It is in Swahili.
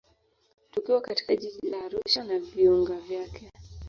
Tukiwa katika jiji la Arusha na viunga vyake